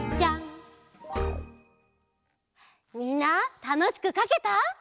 みんなたのしくかけた？